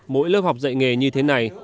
mỗi lớp học dạy nghề như thế này